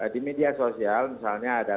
di media sosial misalnya ada